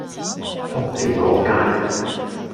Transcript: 仆你個街